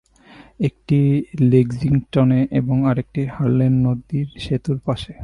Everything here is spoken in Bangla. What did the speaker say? একটি লেক্সিংটনে এবং আরেকটি হারলেম নদীর সেতুর পাশে।